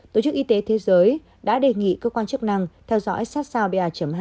tổ chức y tế thế giới đã đề nghị cơ quan chức năng theo dõi sát sao ba hai